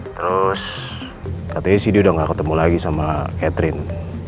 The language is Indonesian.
terus katanya sih dia udah gak ketemu lagi sama catherine